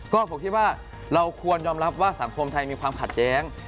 ก็ผมคิดว่าเราควรยอมรับว่าสังคมไทยมีความขัดแย้ง